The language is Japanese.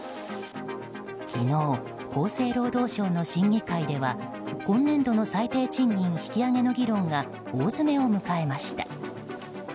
昨日、厚生労働省の審議会では今年度の最低賃金引き上げの議論が大詰めを迎えました。